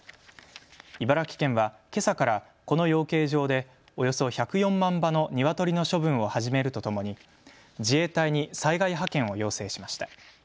茨城県はけさからこの養鶏場でおよそ１０４万羽のニワトリの処分を始めるとともに自衛隊に災害派遣を要請しました。